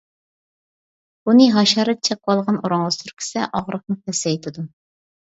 بۇنى ھاشارات چىقىۋالغان ئورۇنغا سۈركىسە، ئاغرىقنى پەسەيتىدۇ.